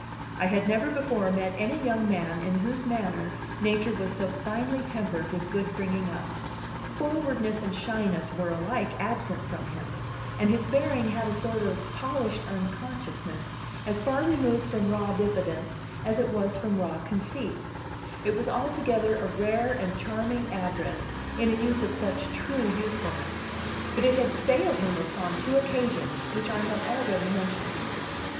I had never before met any young man in whose manner nature was so finely tempered with good bringing up; forwardness and shyness were alike absent from him, and his bearing had a sort of polished unconsciousness as far removed from raw diffidence as it was from raw conceit; it was altogether a rare and charming address in a youth of such true youthfulness, but it had failed him upon two occasions which I have already mentioned.